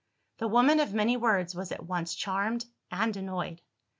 The woman of many words was at once charmed and annoyed.